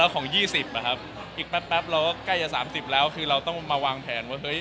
ก็คือเราต้องมาวางแผนว่าเฮ้ย